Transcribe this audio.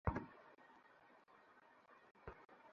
Please তুমি গিয়ে দেখ না।